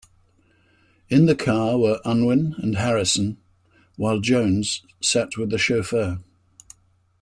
In the car were Unwin and Harrison, while Jones sat with the chauffeur.